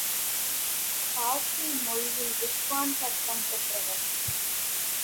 பார்சி மொழியில் வித்வான் பட்டம் பெற்றவர்.